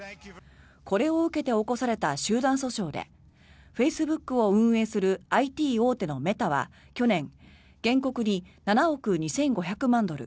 これを受けて起こされた集団訴訟でフェイスブックを運営するＩＴ大手のメタは去年、原告に７億２５００万ドル